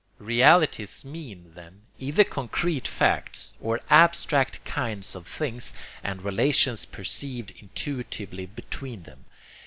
Realities mean, then, either concrete facts, or abstract kinds of things and relations perceived intuitively between them.